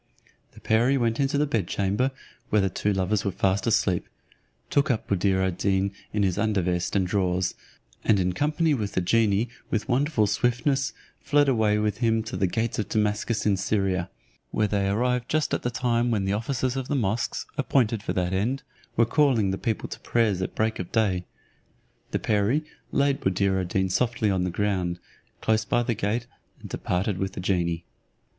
The perie went into the bed chamber where the two lovers were fast asleep, took up Buddir ad Deen in his under vest and drawers; and in company with the genie with wonderful swiftness fled away with him to the gates of Damascus in Syria, where they arrived just at the time when the officers of the mosques, appointed for that end, were calling the people to prayers at break of day. The perie laid Buddir ad Deen softly on the ground, close by the gate, and departed with the genie.